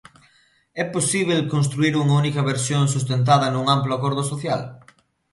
É posíbel construír unha única versión sustentada nun amplo acordo social?